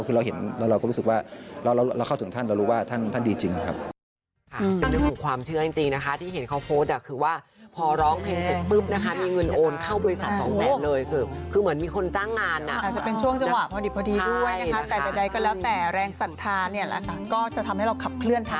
คือเราก็รู้สึกว่าเราเข้าถึงท่านเรารู้ว่าท่านดีจริงครับ